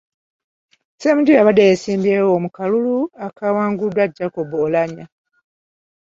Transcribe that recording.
Ssemujju yabadde yeesimbyewo mu kalulu akaawanguddwa Jacob Oulanyah.